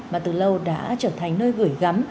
mà từ lâu đã trở thành nơi gửi gắm